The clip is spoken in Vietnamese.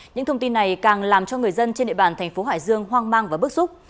những thông tin này càng làm cho người dân trên địa bàn tp hcm hoang mang và bức xúc